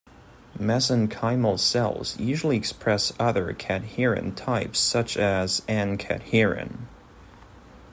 Mesenchymal cells usually express other cadherin types such as N-cadherin.